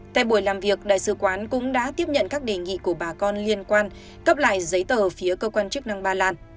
tại buổi làm việc đại sứ quán cũng đã tiếp nhận các đề nghị của bà con liên quan cấp lại giấy tờ phía cơ quan chức năng ba lan